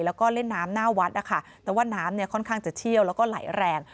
แล้วก็เล่นน้ำหน้าวัดนะคะแต่ว่าน้ำเนี่ยค่อนข้างจะเชี่ยวแล้วก็ไหลแรง